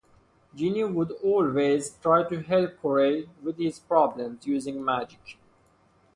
Jeannie would always try to help Corey with his problems, using magic.